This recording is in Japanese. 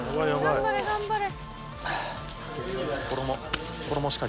頑張れ頑張れ！